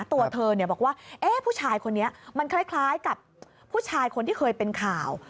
ตัวเธอบอกว่าผู้ชายคนนี้มันคล้ายกับผู้ชายคนที่เคยเป็นข่าว